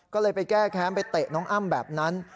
ก็เลยไปแก้แค้นไปเตะน้องอ้ำแบบนั้น